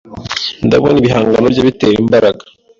ndabona ibihangano bye bitera imbaraga